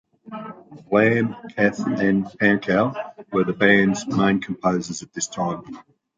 Lamm, Kath and Pankow were the band's main composers at this time.